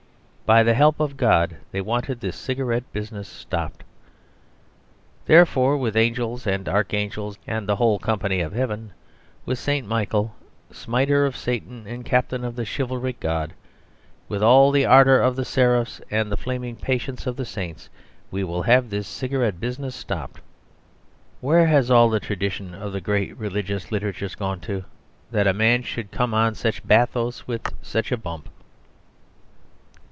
By the help of God, they wanted this cigarette business stopped. Therefore, with angels and archangels and the whole company of Heaven, with St. Michael, smiter of Satan and Captain of the Chivalry of God, with all the ardour of the seraphs and the flaming patience of the saints, we will have this cigarette business stopped. Where has all the tradition of the great religious literatures gone to that a man should come on such a bathos with such a bump?